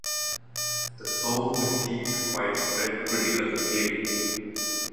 The song received widespread critical acclaim.